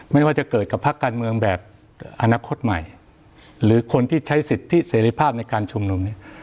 ไม่ว่าจะเกิดกับภาคการเมืองแบบอนาคตใหม่หรือคนที่ใช้สิทธิเสรีภาพในการชุมนุมเนี่ย